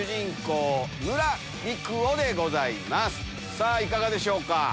さぁいかがでしょうか？